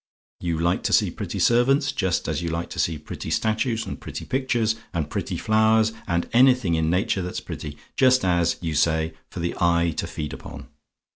You like to see pretty servants, just as you like to see pretty statues, and pretty pictures, and pretty flowers, and anything in nature that's pretty, just, as you say, for the eye to feed upon.